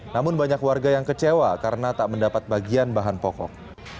namun banyak warga yang kecewa karena tak mendapat bagian bahan pokok